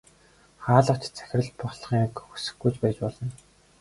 Хаалгач захирал болохыг хүсэхгүй ч байж болно.